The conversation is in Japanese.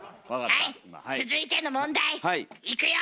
はい続いての問題いくよ。